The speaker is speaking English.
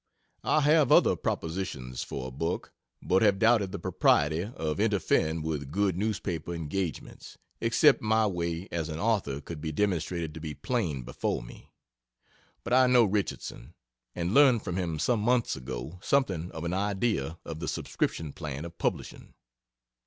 I have other propositions for a book, but have doubted the propriety of interfering with good newspaper engagements, except my way as an author could be demonstrated to be plain before me. But I know Richardson, and learned from him some months ago, something of an idea of the subscription plan of publishing.